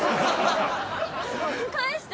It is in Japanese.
返して。